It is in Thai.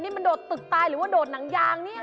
นี่มันโดดตึกตายหรือว่าโดดหนังยางเนี่ย